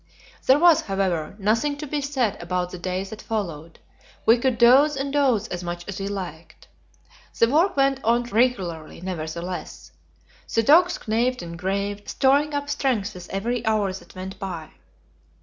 There was, however, nothing to be said about the day that followed; we could doze and doze as much as we liked. The work went on regularly, nevertheless. The dogs gnawed and gnawed, storing up strength with every hour that went by.